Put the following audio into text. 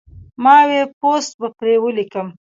ما وې پوسټ به پرې وليکم